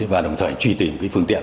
và đồng thời truy tìm phương tiện